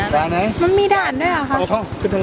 มันมีด่านด้วยเหรอคะ